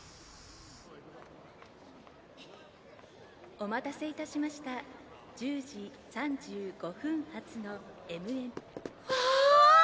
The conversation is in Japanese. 「お待たせいたしました１０時３５分発のＭＭ」わぁ！